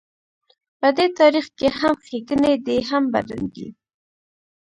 په دې تاریخ کې هم ښېګڼې دي هم بدرنګۍ.